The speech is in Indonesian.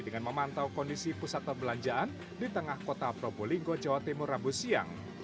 dengan memantau kondisi pusat perbelanjaan di tengah kota probolinggo jawa timur rabu siang